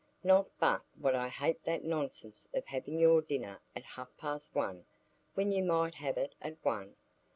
Not but what I hate that nonsense of having your dinner at half past one, when you might have it at one.